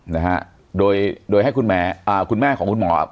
นะฮะโดยโดยให้คุณแม่อ่าคุณแม่ของคุณหมอ